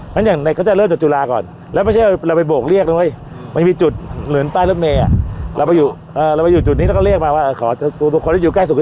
เพราะฉะนั้นก็จะเริ่มจุดจุลาก่อน